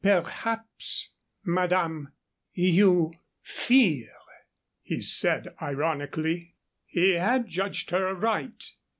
"Perhaps, madame, you fear!" he said, ironically. He had judged her aright.